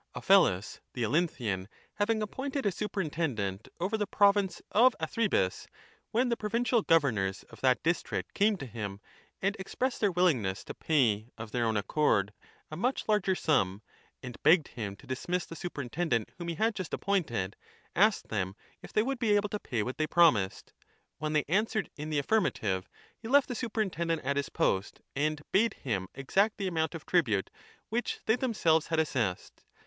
Ophelas, the Olynthian, having appointed a super 5 intendent over the province of Athribis, when the provincial governors of that district came to him and expressed their willingness to pay of their own accord a much larger sum and begged him to dismiss the superintendent whom he had just appointed, asked them if they would be able to pay what they promised ; when they answered in the 10 affirmative he left the superintendent at his post and bade him exact the amount of tribute which they themselves had assessed.